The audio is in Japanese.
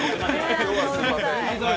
今日はすいません。